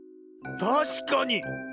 たしかに。